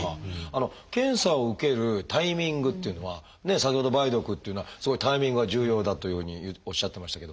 検査を受けるタイミングっていうのは先ほど梅毒っていうのはすごいタイミングが重要だというようにおっしゃってましたけど。